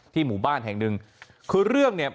หมู่บ้านแห่งหนึ่งคือเรื่องเนี่ย